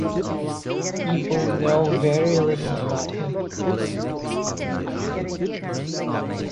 People know very little about him.